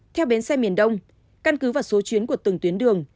theo bến xe miền đông căn cứ vào số chuyến của từng tuyến đường